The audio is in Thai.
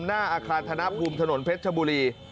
หน้าอาคารธนภูมิถนนเพชรชบุรี